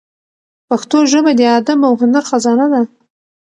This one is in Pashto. پښتو ژبه د ادب او هنر خزانه ده.